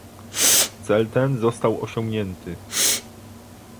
Cel ten został osiągnięty